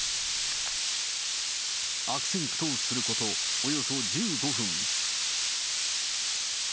悪戦苦闘することおよそ１５分。